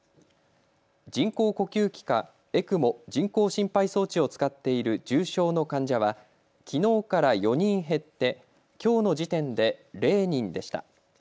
人工呼吸器かＥＣＭＯ・人工心肺装置を使っている重症の患者はきのうから４人減ってきょうの時点で０人でした。